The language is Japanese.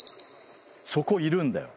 そこいるんだよ。